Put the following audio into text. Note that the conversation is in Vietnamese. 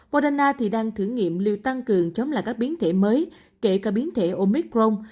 moderna thì đang thử nghiệm lưu tăng cường chống lại các biến thể mới kể cả biến thể omicron